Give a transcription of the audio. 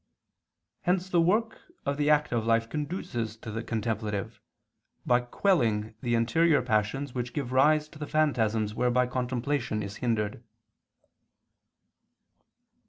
Hence the work of the active life conduces to the contemplative, by quelling the interior passions which give rise to the phantasms whereby contemplation is hindered.